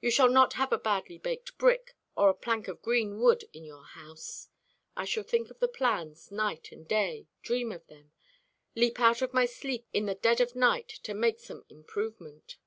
You shall not have a badly baked brick or a plank of green wood in your house. I shall think of the plans night and day, dream of them leap out of my sleep in the dead of the night to make some improvement."